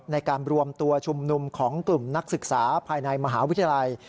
ในการรวมตัวชุมนุมของกลุ่มนักศึกษาภายในมหาวิทยาลัย